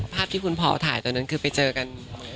ภาพที่คุณพ่อถ่ายตอนนั้นคือไปเจอกัน